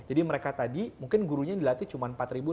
jadi mereka tadi mungkin gurunya dilatih cuma empat lima